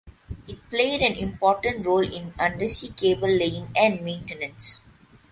It played an important role in undersea cable laying and maintenance.